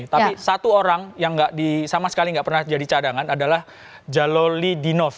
tapi satu orang yang sama sekali nggak pernah jadi cadangan adalah jaloli dinov